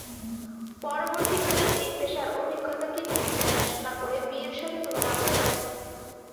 পরবর্তীকালে এই পেশার অভিজ্ঞতাকে তিনি দেখাশোনা করে বিয়ের সাথে তুলনা করেছেন।